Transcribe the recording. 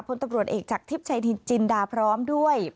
พนตรวจเอกจักษ์ภิพชายดินจิณดาพร้อมด้วย